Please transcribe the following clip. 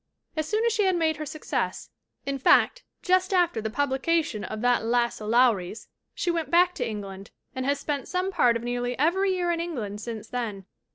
As soon as she had made her success,, in fact, just after the publication of That Lass o' Lowrie's, she went back to England, and has spent some part of nearly every year in England since then.